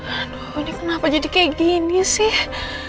aduh ini kenapa jadi kayak gini sih